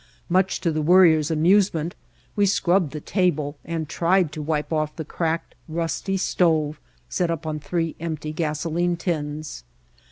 Much to the Worrier's amusement we scrubbed the table and tried to wipe off the cracked, rusty stove set up on three empty gasoline tins.